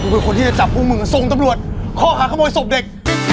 เป็นคนที่จะจับพวกมึงส่งตำรวจข้อหาขโมยศพเด็ก